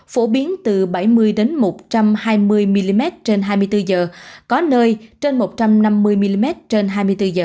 phổ biến từ bảy mươi một trăm hai mươi mm trên hai mươi bốn h có nơi trên một trăm năm mươi mm trên hai mươi bốn h